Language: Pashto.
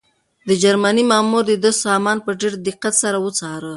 د جرمني مامور د ده سامان په ډېر دقت سره وڅاره.